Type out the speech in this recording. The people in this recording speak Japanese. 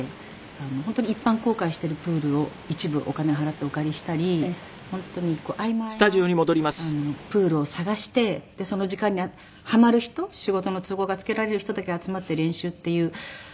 本当に一般公開しているプールを一部お金払ってお借りしたり本当に合間合間プールを探してその時間にはまる人仕事の都合がつけられる人だけ集まって練習っていう。